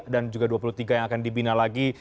dan juga dua puluh tiga yang akan dibina lagi